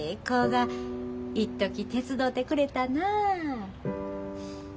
子がいっとき手伝うてくれたなあ」。